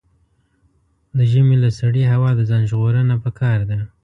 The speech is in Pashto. د ژمي له سړې هوا د ځان ژغورنه پکار ده.